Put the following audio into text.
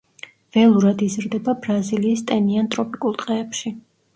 ველურად იზრდება ბრაზილიის ტენიან ტროპიკულ ტყეებში.